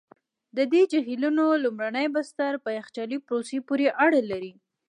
د دې جهیلونو لومړني بستر په یخچالي پروسې پوري اړه لري.